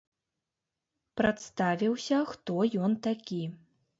Прадставіўся, хто ён такі.